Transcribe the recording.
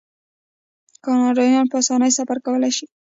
کاناډایان په اسانۍ سفر کولی شي.